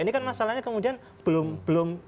ini kan masalahnya kemudian belum